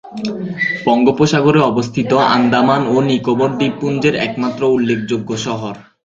বঙ্গোপসাগরে অবস্থিত আন্দামান ও নিকোবর দ্বীপপুঞ্জের একমাত্র উল্লেখযোগ্য শহর।